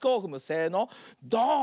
せのドーン！